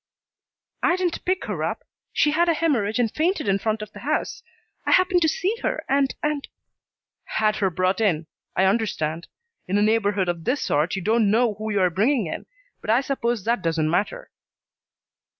"I didn't pick her up. She had a hemorrhage and fainted in front of the house. I happened to see her and and " "Had her brought in. I understand. In a neighborhood of this sort you don't know who you're bringing in, but I suppose that doesn't matter."